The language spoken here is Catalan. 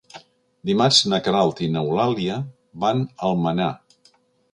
Dimarts na Queralt i n'Eulàlia van a Almenar.